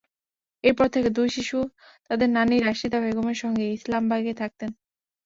এরপর থেকে দুই শিশু তাদের নানি রাশিদা বেগমের সঙ্গে ইসলামবাগে থাকত।